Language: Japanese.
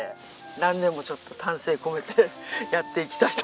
何年もちょっと丹精込めてやっていきたいと思います。